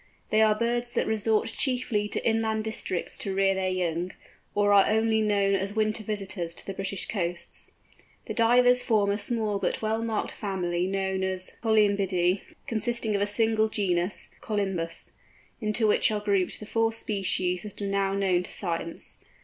They are birds that resort chiefly to inland districts to rear their young, or are only known as winter visitors to the British Coasts. The Divers form a small but well marked family known as Colymbidæ, consisting of a single genus Colymbus, into which are grouped the four species that are now known to science.